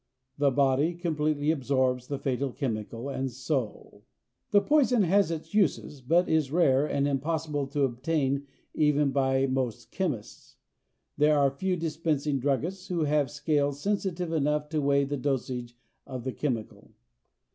The body completely absorbs the fatal chemical and so . This poison has its uses but is rare and impossible to obtain even by most chemists. There are few dispensing druggists who have scales sensitive enough to weigh the dosage of the chemical.